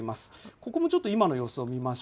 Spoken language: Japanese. ここもちょっと今の様子を見まし